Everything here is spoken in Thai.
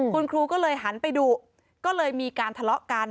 คุณครูก็เลยหันไปดูก็เลยมีการทะเลาะกัน